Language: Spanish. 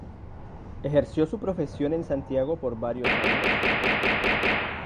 Ejerció su profesión en Santiago por varios años.